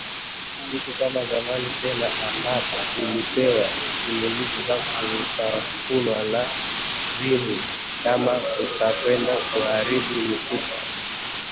Si kama zamani tena ambapo tulipewa simulizi za kutafunwa na zimwi kama tutakwenda kuharibu misitu